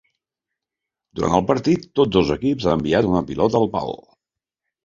Durant el partit, tots dos equips han enviat una pilota al pal.